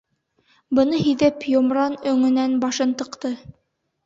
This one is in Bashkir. Быны һиҙеп, Йомран өңөнән башын тыҡты.